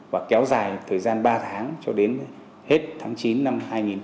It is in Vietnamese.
và kéo dài thời gian ba tháng cho đến hết tháng chín năm hai nghìn một mươi chín